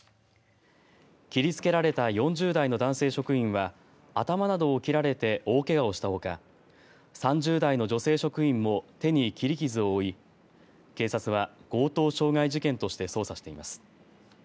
切りつけられた４０代の男性職員は頭などを切られて大けがをしたほか３０代の女性職員も手に切り傷を負い警察は強盗傷害事件として捜査しています。